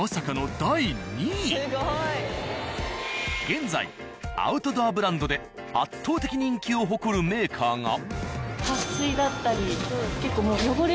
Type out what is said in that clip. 現在アウトドアブランドで圧倒的人気を誇るメーカーが。